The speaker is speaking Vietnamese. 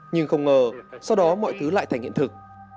nhưng không ngờ sau đó mọi thứ lại thành hiện thực